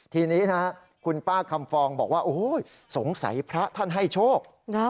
ทีนี้นะคุณป้าคำฟองบอกว่าโอ้โหสงสัยพระท่านให้โชค